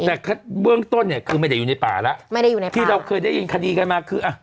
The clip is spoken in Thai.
แต่เบื้องต้นคือไม่ได้อยู่ในป่าแล้วที่เราเคยได้ยินคดีกันมาคือ